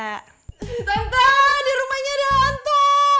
tante di rumahnya ada onto